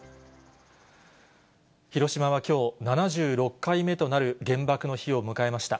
広島はきょう、７６回目となる原爆の日を迎えました。